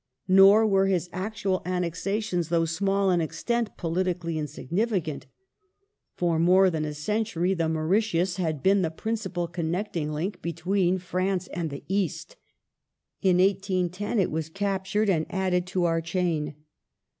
Nor were his actual annexa tions, though small in extent, politically insignificant. For more than a century the Mauritius had been the principal connecting link between France and the East. In 1810 it was captured and added to our chain.